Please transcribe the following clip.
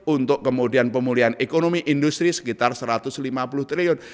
untuk kemudian pemulihan ekonomi industri sekitar satu ratus lima puluh triliun